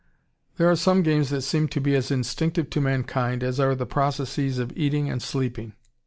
] There are some games that seem to be as instinctive to mankind as are the processes of eating and sleeping.